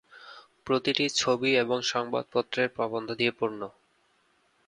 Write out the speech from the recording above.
প্রতিটি ছবি এবং সংবাদপত্রের প্রবন্ধ দিয়ে পূর্ণ।